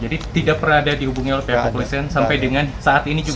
jadi tidak pernah ada dihubungi oleh pihak kepolisian sampai dengan saat ini juga